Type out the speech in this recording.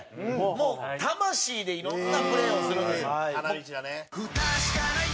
もう魂でいろんなプレーをするんですよ。